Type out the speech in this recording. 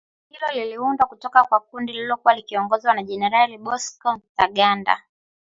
Kundi hilo liliundwa kutoka kwa kundi lililokuwa likiongozwa na Generali Bosco Ntaganda